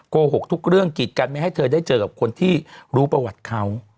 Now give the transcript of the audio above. โกหกทุกเรื่องกิจกันไม่ให้เธอได้เจอกับคนที่รู้ประวัติเขา